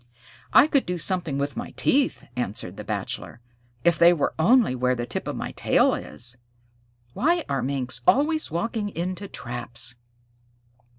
"I could do something with my teeth," answered the Bachelor, "if they were only where the tip of my tail is. Why are Minks always walking into traps?"